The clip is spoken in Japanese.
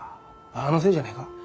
あのせいじゃないか？